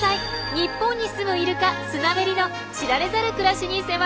日本に住むイルカスナメリの知られざる暮らしに迫ります！